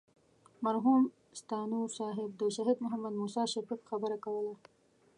مرحوم ستانور صاحب د شهید محمد موسی شفیق خبره کوله.